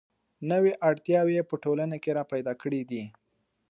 نوې اړتیاوې یې په ټولنه کې را پیدا کړې دي.